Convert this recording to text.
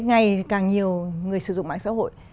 ngày càng nhiều người sử dụng mạng xã hội